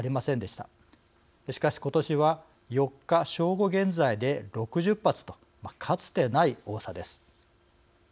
しかし今年は４日正午現在で６０発とかつてない多さです。